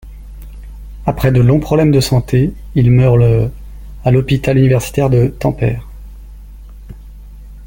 Après de longs problèmes de santé, il meurt le à l'Hôpital universitaire de Tampere.